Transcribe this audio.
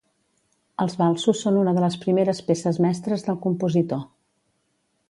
Els valsos són una de les primeres peces mestres del compositor.